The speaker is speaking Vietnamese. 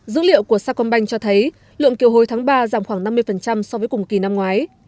dữ liệu của sacombank cho thấy lượng kiều hối tháng ba giảm khoảng năm mươi so với cùng kỳ năm ngoái